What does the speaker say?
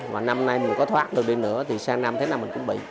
và năm nay mình có thoát được đi nữa thì sang năm thế nào mình cũng chuẩn bị